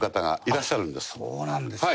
そうなんですか。